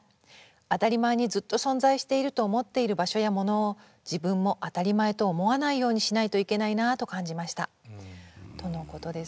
当たり前にずっと存在していると思っている場所やものを自分も当たり前と思わないようにしないといけないなと感じました」。とのことです。